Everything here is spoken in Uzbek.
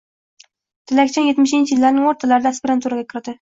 Tilakjon yetmishinchi yillarning o‘rtalarida aspiranturaga kirdi.